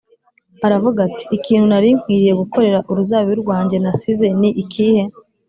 aravuga ati: ‘ikintu nari nkwiriye gukorera uruzabibu rwanjye nasize ni ikihe?’